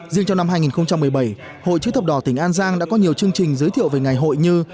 riêng trong năm hai nghìn một mươi bảy hội chữ thập đỏ tỉnh an giang đã có nhiều chương trình giới thiệu về ngày hội như